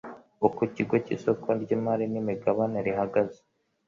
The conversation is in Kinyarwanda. uko ikigo cy isoko ry imari n imigabane rihagaze